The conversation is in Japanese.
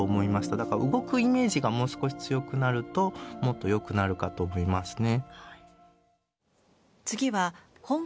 だから動くイメージがもう少し強くなるともっと良くなるかと思いますね。